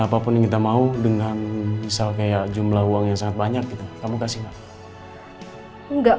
apapun yang kita mau dengan misal kayak jumlah uang yang sangat banyak gitu kamu kasih nggak